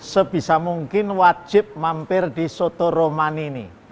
sebisa mungkin wajib mampir di soto romani ini